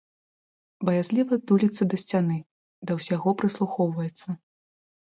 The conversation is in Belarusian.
Баязліва туліцца да сцяны, да ўсяго прыслухоўваецца.